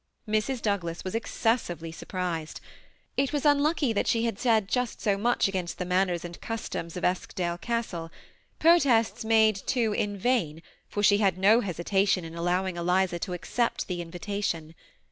Mrs. Douglas was excessively surprised. It was un lucky that she had just said so much against the man ners and customs of Eskdale Castle, — protests made, too, in vain, for she had no hesitation in allowing Eliza to accept the invitation.